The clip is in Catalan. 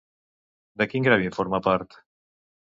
De quin gremi forma part?